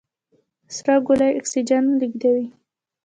سره ګولۍ اکسیجن لېږدوي.